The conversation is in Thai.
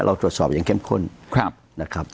เราตรวจสอบอย่างเข้มข้น